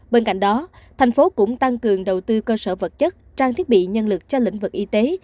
bên cạnh đó thành phố cũng tăng cường đầu tư cơ sở vật chất trang thiết bị nhân lực cho lĩnh vực y tế